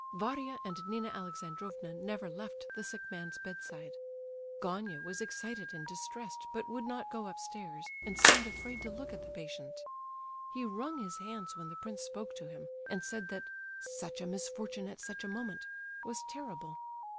Varia and Nina Alexandrovna never left the sick man's bedside; Gania was excited and distressed, but would not go upstairs, and seemed afraid to look at the patient. He wrung his hands when the prince spoke to him, and said that "such a misfortune at such a moment" was terrible.